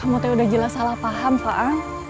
kamu teh udah jelas salah paham fa'ang